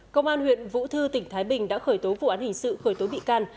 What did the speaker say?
công an huyện vũ thư tỉnh thái bình đã khởi tố vụ án hình sự khởi tố bị can